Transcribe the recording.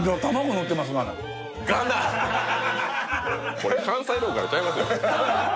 これ関西ローカルちゃいますよ